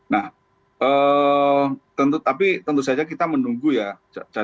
nah tentu tapi tentu saja kita menunggu ya